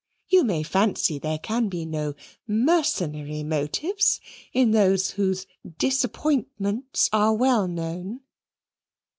You may fancy there can be no MERCENARY motives in those whose DISAPPOINTMENTS are well known."